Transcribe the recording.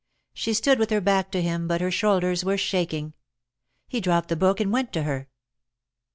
She stood with her back to him, but her shoulders were shaking. He dropped the book and went to her.